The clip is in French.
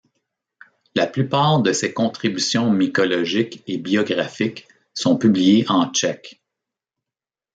La plupart de ses contributions mycologiques et biographiques sont publiées en tchèque.